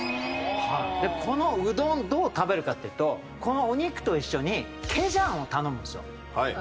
でこのうどんどう食べるかっていうとこのお肉と一緒にケジャンを頼むんですよ。